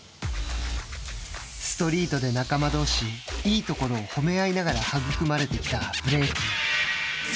ストリートで仲間どうしいいところを褒め合いながら育まれてきたブレイキン。